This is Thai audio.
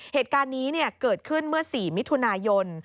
เหตุการณ์นี้เกิดขึ้นเมื่อ๔มิถุนายน